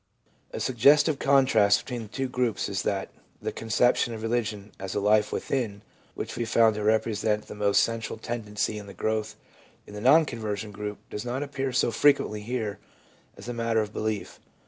A suggestive contrast between the two groups is that the conception of religion as a life within, which we found to represent the most central tendency in growth in the non conversion group, does not appear so frequently here as a matter of belief.